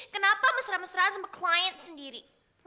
kenapa mesra mesra sama klien sendiri